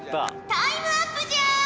タイムアップじゃ！